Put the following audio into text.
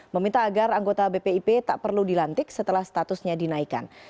meminta agar anggota bpip tak perlu dilantik setelah statusnya dinaikkan